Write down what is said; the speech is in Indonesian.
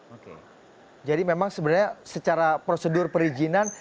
oke jadi memang sebenarnya secara prosedur perizinan